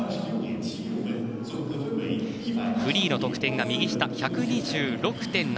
フリーの得点が右下１２６．７６。